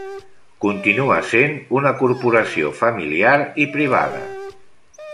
Continua sent una corporació familiar i privada.